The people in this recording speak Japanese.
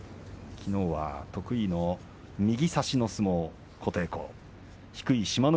きのうは得意の右差しの相撲琴恵光低い志摩ノ